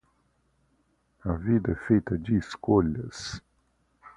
A vida é feita de escolhas.